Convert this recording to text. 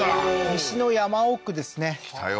西の山奥ですねきたよ